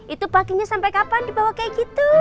itu packingnya sampai kapan dibawa kayak gitu